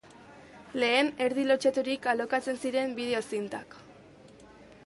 Lehen, erdi lotsaturik, alokatzen ziren bideo zintak.